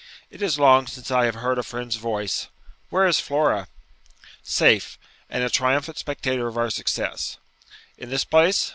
'It is long since I have heard a friend's voice. Where is Flora?' 'Safe, and a triumphant spectator of our success.' 'In this place?'